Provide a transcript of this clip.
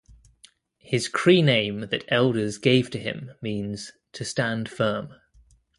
His Cree name that elders gave to him means "to stand firm".